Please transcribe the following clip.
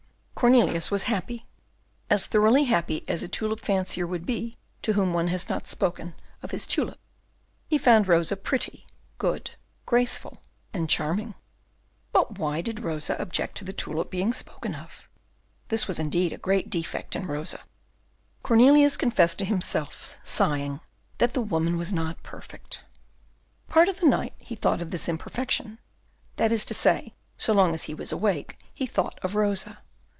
Cornelius was happy, as thoroughly happy as a tulip fancier would be to whom one has not spoken of his tulip. He found Rosa pretty, good, graceful, and charming. But why did Rosa object to the tulip being spoken of? This was indeed a great defect in Rosa. Cornelius confessed to himself, sighing, that woman was not perfect. Part of the night he thought of this imperfection; that is to say, so long as he was awake he thought of Rosa.